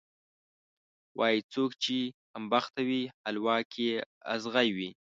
وایي: څوک چې کمبخته وي، حلوا کې یې ازغی وي.